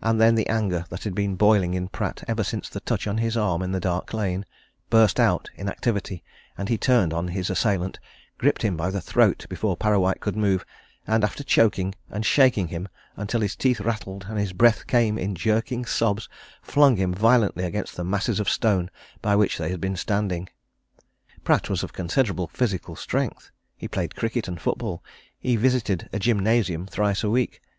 And then the anger that had been boiling in Pratt ever since the touch on his arm in the dark lane, burst out in activity, and he turned on his assailant, gripped him by the throat before Parrawhite could move, and after choking and shaking him until his teeth rattled and his breath came in jerking sobs, flung him violently against the masses of stone by which they had been standing. Pratt was of considerable physical strength. He played cricket and football; he visited a gymnasium thrice a week.